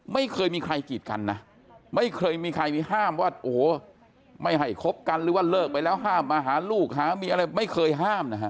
ไม่เคยมีใครกีดกันนะไม่เคยมีใครมีห้ามว่าโอ้โหไม่ให้คบกันหรือว่าเลิกไปแล้วห้ามมาหาลูกหามีอะไรไม่เคยห้ามนะฮะ